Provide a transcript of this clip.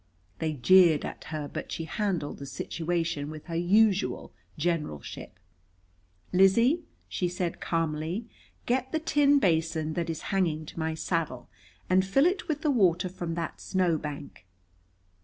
They jeered at her, but she handled the situation with her usual generalship. "Lizzie," she said calmly, "get the tin basin that is hanging to my saddle, and fill it with the water from that snowbank.